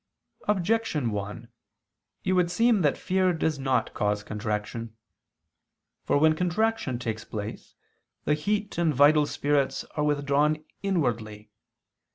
Objection 1: It would seem that fear does not cause contraction. For when contraction takes place, the heat and vital spirits are withdrawn inwardly.